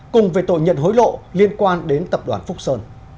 cùng về tội nhận hối lộ liên quan đến tập đoàn phúc sơn